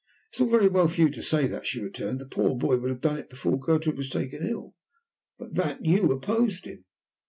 "It's all very well for you to say that," she returned. "The poor boy would have done it before Gertrude was taken ill, but that you opposed him."